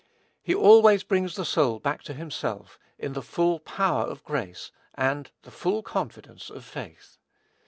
He always brings the soul back to himself, in the full power of grace and the full confidence of faith.